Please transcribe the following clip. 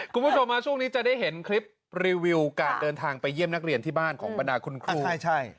คุณผู้ชมช่วงนี้จะได้เห็นคลิปรีวิวการเดินทางไปเยี่ยมนักเรียนที่บ้านของบรรดาคุณครูใช่